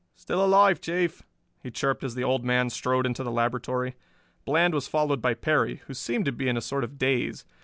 "Still alive, Chief," he chirped as the Old Man strode into the laboratory. Bland was followed by Perry, who seemed to be in a sort of daze.